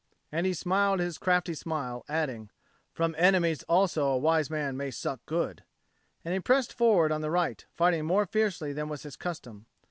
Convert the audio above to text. And he smiled his crafty smile, adding, "From enemies also a wise man may suck good;" and he pressed forward on the right fighting more fiercely than was his custom.